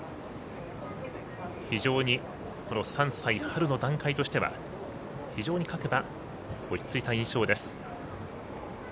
非常に３歳春の段階としては非常に各馬、落ち着いた印象です。